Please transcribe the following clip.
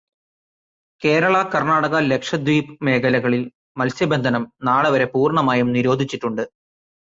കേരള-കർണാടക-ലക്ഷദ്വീപ് മേഖലകളിൽ മത്സ്യബന്ധനം നാളെ വരെ പൂർണമായും നിരോധിച്ചിട്ടുണ്ട്.